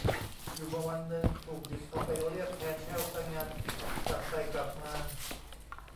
อยู่มาวันนึง ถูกหยิบเอาไปเรียกแทน แห้ว ซะงั้น กลับไปกลับมา